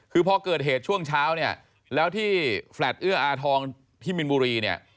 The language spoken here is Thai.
คือพอเกิดเหตุช่วงเช้าเนี่ยแล้วที่แฟลตเอื้ออาทองที่มินบุรีเนี่ย